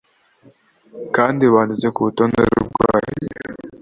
kandi banditse ku rutonde rwayo